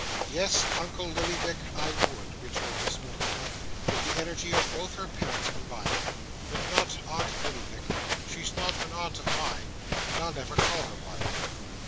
'Yes; uncle Lillyvick, I would,' returned Miss Morleena, with the energy of both her parents combined; 'but not aunt Lillyvick. She's not an aunt of mine, and I'll never call her one.